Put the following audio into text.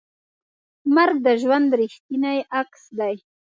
مرګ د ژوند ریښتینی عکس دی.